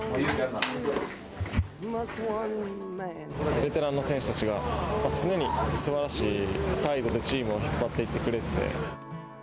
ベテランの選手たちが常にすばらしい態度でチームを引っ張ってくれていて。